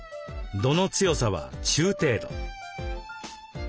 度の強さは中程度。